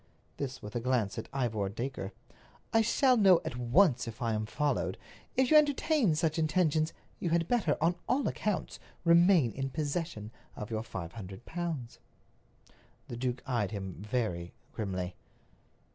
This with a glance at Ivor Dacre. "I shall know at once if I am followed. If you entertain such intentions, you had better, on all accounts, remain in possession of your five hundred pounds." The duke eyed him very grimly.